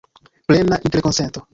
Plena interkonsento.